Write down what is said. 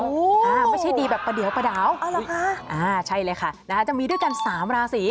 อู๋ไม่ใช่ดีแบบประเดี๋ยวประดาวใช่เลยค่ะจะมีด้วยกัน๓ราศรี